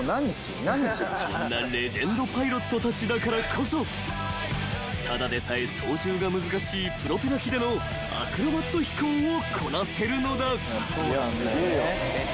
［そんなレジェンドパイロットたちだからこそただでさえ操縦が難しいプロペラ機でのアクロバット飛行をこなせるのだ］